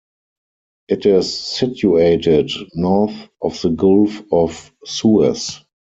It is situated north of the Gulf of Suez.